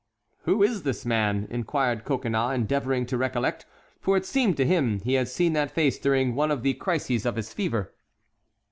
"Who is this man?" inquired Coconnas, endeavoring to recollect, for it seemed to him he had seen that face during one of the crises of his fever.